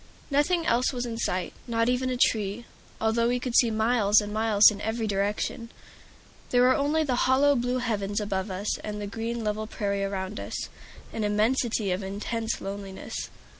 Nothing else was in sight, not even a tree, although we could see miles and miles in every direction. There were only the hollow blue heavens above us and the level green prairie around us, an immensity of intense loneliness.